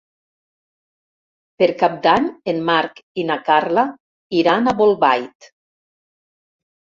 Per Cap d'Any en Marc i na Carla iran a Bolbait.